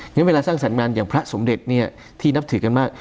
งั้นเวลาสร้างสรรค์งานอย่างพระสมเด็จเนี่ยที่นับถือกันมาก